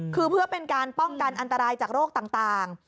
คือเพื่อเป็นการป้องกันอันตรายจากโรคต่าง